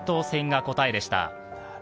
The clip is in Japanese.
腺が答えでした。